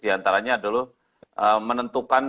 antaranya adalah menentukan